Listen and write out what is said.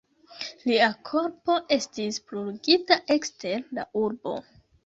Lia korpo estis bruligita ekster la urbo.